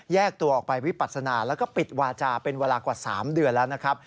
ตัวออกไปวิปัสนาแล้วก็ปิดวาจาเป็นเวลากว่า๓เดือนแล้วนะครับ